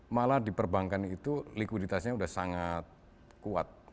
malah di perbankan itu likuiditasnya sudah sangat kuat